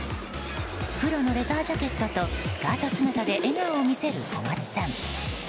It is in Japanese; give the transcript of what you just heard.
黒のレザージャケットとスカート姿で笑顔を見せる小松さん。